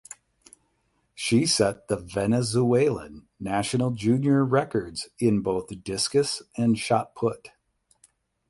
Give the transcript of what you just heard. She set the Venezuelan national junior records in both discus and shot put.